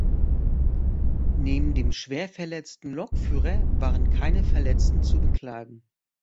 Neben dem schwer verletzten Lokführer waren keine Verletzten zu beklagen.